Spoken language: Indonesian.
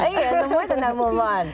iya semua tetap move on